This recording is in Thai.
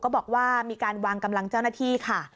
บอกว่ามีการวางกำลังเจ้าหน้าที่ค่ะ